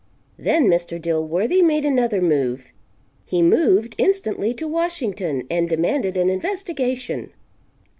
Then Mr. Dilworthy made another move. He moved instantly to Washington and "demanded an investigation."